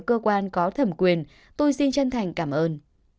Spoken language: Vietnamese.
cơ quan có thẩm quyền tôi xin chân thành cảm ơn